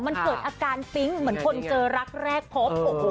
มันเกิดอาการปิ๊งเหมือนคนเจอรักแรกพบ